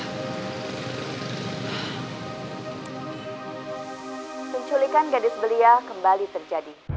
penculikan gadis belia kembali terjadi